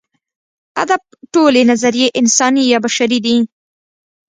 ادب ټولې نظریې انساني یا بشري دي.